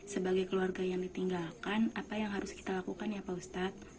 sebagai keluarga yang ditinggalkan apa yang harus kita lakukan ya pak ustadz